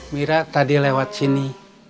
mira tadi lewat sini